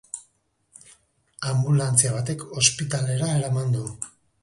Anbulantzia batek ospitalera eraman du.